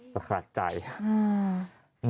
ประขาดใจค่ะ